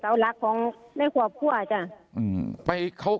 เสาหลักของแม่ขวบคั่วจ้า